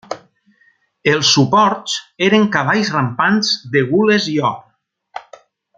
Els suports eren cavalls rampants de gules i or.